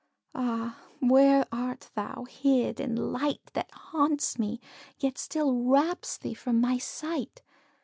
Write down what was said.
Ah! where art thou, hid in light That haunts me, yet still wraps thee from my sight?